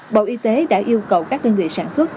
bộ y tế đã yêu cầu các đơn vị sản xuất